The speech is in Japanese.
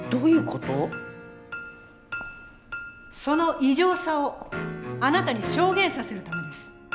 その異常さをあなたに証言させるためです。